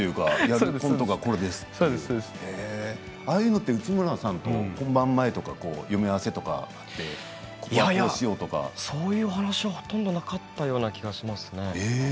ああいうのは、内村さんと本番前に読み合わせとかそういう話はほとんどなかったような気がしますね。